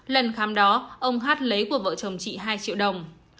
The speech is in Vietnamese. lần khám đó ông hát lấy của vợ chồng chị hai triệu đồng